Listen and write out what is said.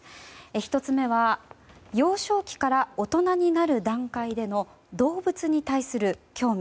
１つ目は、幼少期から大人になる段階での動物に対する興味。